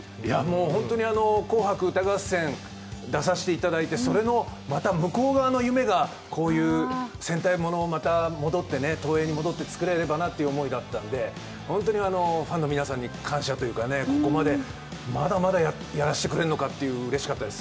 本当に「紅白歌合戦」出させていただいて、それのまた向こう側の夢がこういう戦隊物を東映に戻って作れればなというのがあったんで、本当にファンの皆さんに感謝というか、ここまで、まだまだやらせてくれるのかって、うれしかったです。